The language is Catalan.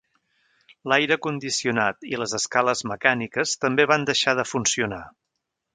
L'aire condicionat i les escales mecàniques també van deixar de funcionar.